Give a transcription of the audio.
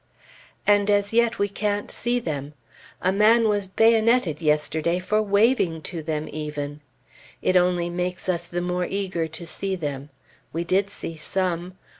And as yet we can't see them. A man was bayoneted yesterday for waving to them, even. It only makes us the more eager to see them. We did see some.